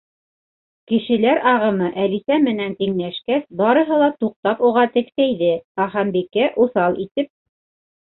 Кешеләр ағымы Әлисә менән тиңләшкәс, барыһы ла туҡтап уға тексәйҙе, ә Ханбикә уҫал итеп: